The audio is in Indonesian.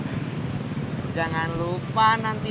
banding dengan ngebulletin